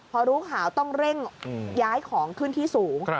พอรู้ข่าวต้องเร่งย้ายของขึ้นที่สูง